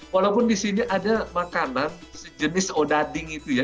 walaupun di sini ada makanan sejenis odading itu ya